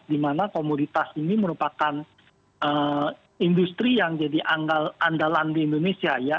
di mana komoditas ini merupakan industri yang jadi andalan di indonesia ya